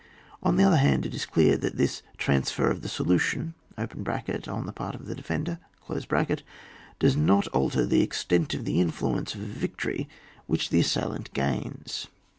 On the other hand, it is clear that this transfer of the solution (on the part of the defender) does not alter the extent of the influence of a victory which the assailant gains.